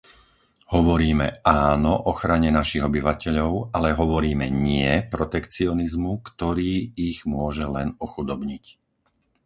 Hovoríme áno ochrane našich obyvateľov, ale hovoríme nie protekcionizmu, ktorý ich môže len ochudobniť.